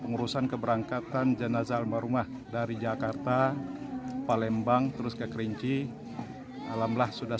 urusan keberangkatan jenazah almarhumah dari jakarta palembang terus ke kerinci alhamdulillah sudah